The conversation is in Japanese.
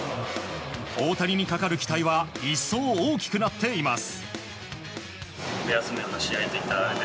大谷にかかる期待は一層大きくなっています。